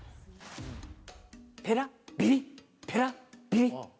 ペラビリっペラビリっ。